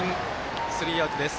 スリーアウトです。